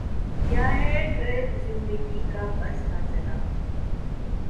کیا ہے گر زندگی کا بس نہ چلا